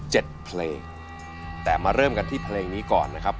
เพลงแต่มาเริ่มกันที่เพลงนี้ก่อนนะครับ